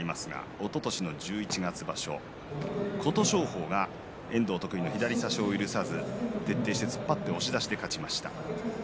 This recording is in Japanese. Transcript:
おととしの十一月場所琴勝峰が遠藤得意の左差しを許さず徹底して突っ張って押し出しで勝ちました。